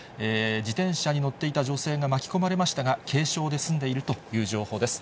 自転車に乗っていた女性が巻き込まれましたが、軽傷で済んでいるという情報です。